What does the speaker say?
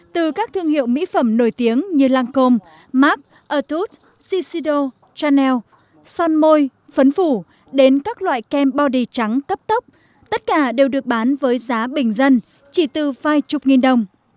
từ các thương hiệu mỹ phẩm nổi tiếng như lancome mac etude cicido chanel son môi phấn phủ đến các loại kem body trắng cấp tóc tất cả đều được bán với giá bình dân chỉ từ vài chục nghìn đồng